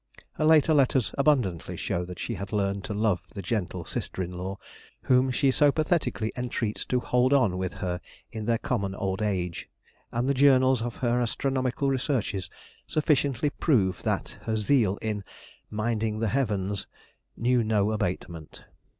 Her later letters abundantly show that she had learned to love the gentle sister in law whom she so pathetically entreats to hold on with her in their common old age, and the journals of her astronomical researches sufficiently prove that her zeal in "minding the Heavens" knew no abatement.